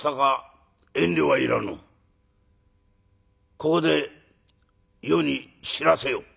ここで余に知らせよ」。